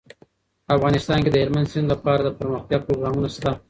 افغانستان کې د هلمند سیند لپاره دپرمختیا پروګرامونه شته.